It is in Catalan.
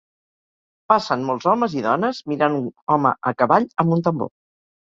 Passen molts homes i dones mirant un home a cavall amb un tambor.